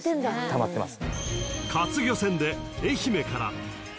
たまってます。